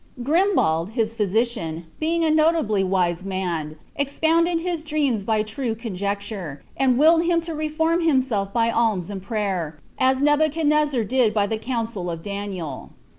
Grimbald, his phvsician, being a nouiblv wiee mni expounded his dreams by true conjeciuie, and willed him to rcfim himself by alms and prayer, as Nebuchadneziar did by lite coutisfl tt Daniel."